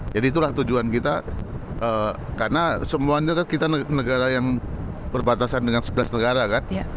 jadi itulah tujuan kita karena semuanya kan kita negara yang berbatasan dengan sebelas negara kan